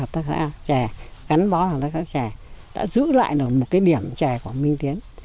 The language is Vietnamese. hợp tác xã trẻ gắn bó với hợp tác xã trẻ đã giữ lại được một cái điểm trẻ của minh tiến